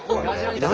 何？